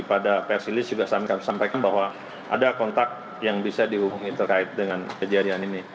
pada persilis juga sampaikan bahwa ada kontak yang bisa dihubungi terkait dengan kejadian ini